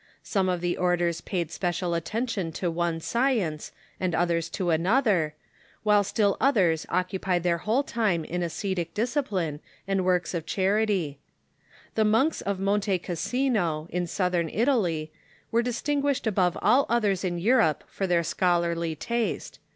Some of the orders paid special attention to one science, and Monte Cassino ,^% i •, ,mi ,i • j ^i • others to another, while still others occupied then whole time in ascetic discipline and Avorks of charity. The monks of Monte Cassino, in Southern Italy, were distinguished above all others in Europe for their scholarly taste.